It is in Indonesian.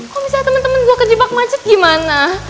kok misalnya temen temen gue kejepak macet gimana